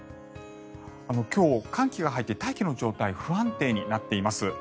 今日、寒気が入って大気の状態が不安定になっています。